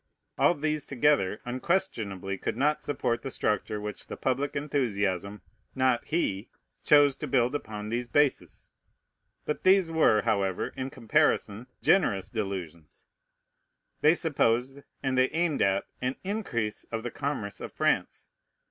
All these together unquestionably could not support the structure which the public enthusiasm, not he, chose to build upon these bases. But these were, however, in comparison, generous delusions. They supposed, and they aimed at, an increase of the commerce of France.